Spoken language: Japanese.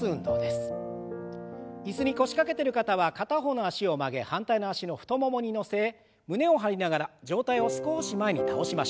椅子に腰掛けてる方は片方の脚を曲げ反対の脚の太ももに乗せ胸を張りながら上体を少し前に倒しましょう。